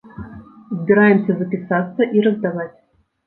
Збіраемся запісацца і раздаваць.